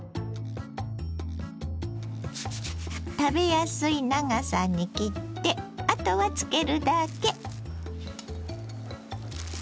食べやすい長さに切ってあとは漬けるだけ。